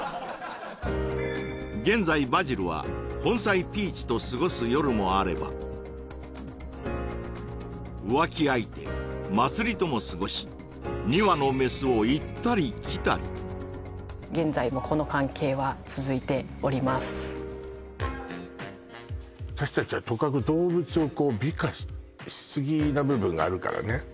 現在バジルは本妻ピーチと過ごす夜もあれば浮気相手まつりとも過ごし２羽のメスを行ったり来たり現在もこの関係は続いておりますな部分があるからね